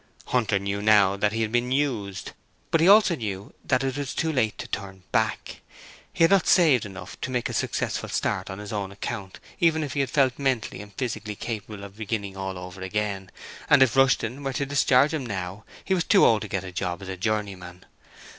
Hunter knew now that he had been used, but he also knew that it was too late to turn back. He had not saved enough to make a successful start on his own account even if he had felt mentally and physically capable of beginning all over again, and if Rushton were to discharge him right now he was too old to get a job as a journeyman.